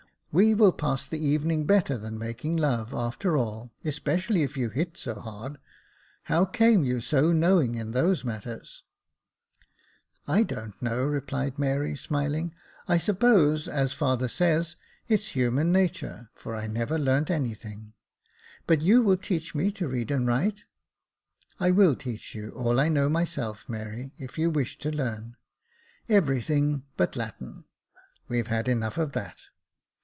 " We will pass the evening better than making love, after all, especially if you hit so hard. How came you so knowing in those matters ?" "I don't know," replied Mary, smiling; "I suppose, as father says, it's human nature, for I never learnt any thing ; but you will teach me to read and write ?" "I will teach you all I know myself, Mary, if you wish to learn. Everything but Latin — we've had enough of that."